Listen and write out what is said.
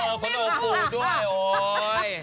ขนาดอกกรูด้วยโอ๊ย